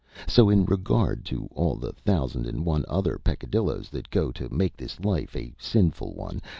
So in regard to all the thousand and one other peccadilloes that go to make this life a sinful one.